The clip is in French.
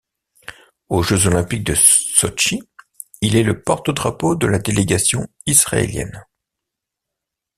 Aux Jeux olympiques de Sotchi, il est le porte-drapeau de la délégation israélienne.